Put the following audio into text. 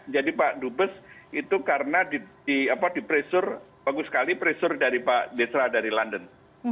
jadi pak dupes itu karena dipresur bagus sekali presur dari pak desra dari london